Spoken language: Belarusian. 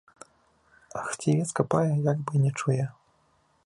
А хцівец капае, як бы і не чуе.